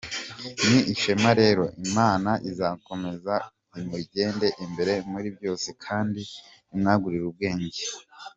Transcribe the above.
Ni ishema rero, Imana izakomeze imugende imbere muri byose kandi imwagurire ubwenge.